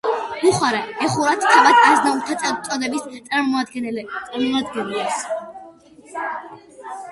ბუხარა ეხურათ თავად-აზნაურთა წოდების წარმომადგენლებს.